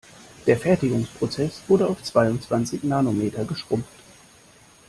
Der Fertigungsprozess wurde auf zweiundzwanzig Nanometer geschrumpft.